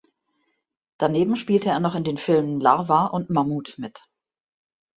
Daneben spielte er noch in den Filmen "Larva" und "Mammut" mit.